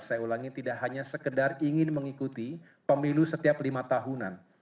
saya ulangi tidak hanya sekedar ingin mengikuti pemilu setiap lima tahunan